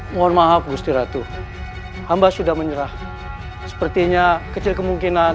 mohon maaf gusti ratu hamba sudah menyerah sepertinya kecil kemungkinan